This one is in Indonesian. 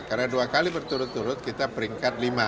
karena dua kali berturut turut kita peringkat lima